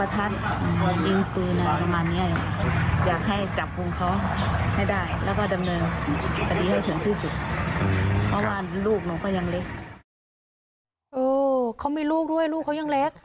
เขามีลูกด้วยลูกเขายังเล็ก